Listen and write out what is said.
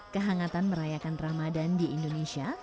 kehangatan merayakan ramadan di indonesia